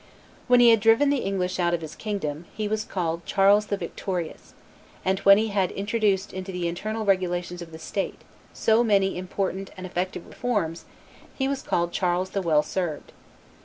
When he had driven the English out of his kingdom, he was called Charles the Victorious; and when he had introduced into the internal regulations of the state so many important and effective reforms, he was called Charles the Well served.